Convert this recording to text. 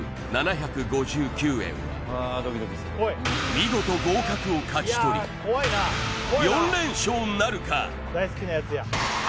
見事合格を勝ち取り４連勝なるか？